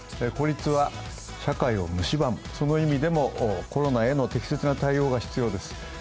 孤立は社会をむしばむ、その意味でもコロナへの適切な対応が必要です。